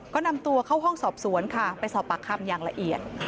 ก็นำตัวเข้าห้องสอบสวนค่ะไปสอบปากคำอย่างละเอียด